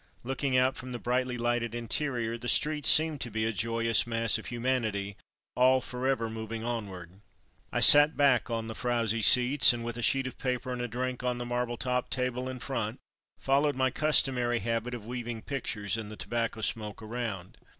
Looking out from the brightly lighted interior the street seemed to be a joyous mass of humanity, all for ever moving onward. I sat back on the frowsy seats, and, with a sheet of paper and a drink on the marble topped table in front, followed my cus 154 From Mud to Mufti tomary habit of weaving pictures in the tobacco smoke around.